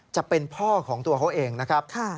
จะเป็นพ่อของตัวเขาเองนะครับ